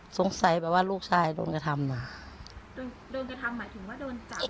สงสัยแบบว่าลูกชายโดนกระทำอ่ะโดนโดนกระทำหมายถึงว่าโดนจับ